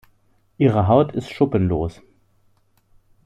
Ihre Haut ist schuppenlos.